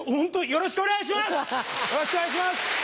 よろしくお願いします！